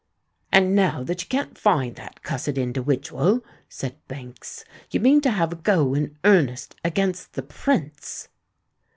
"And now that you can't find that cussed indiwidual," said Banks, "you mean to have a go in earnest against the Prince?"